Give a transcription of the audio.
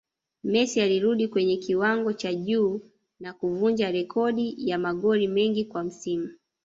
Messi alirudi kwenye kiwango cha juu na kuvunja rekodi ya magoli mengi kwa msimu